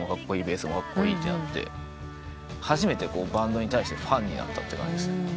ベースもカッコイイってなって初めてバンドに対してファンになったって感じです。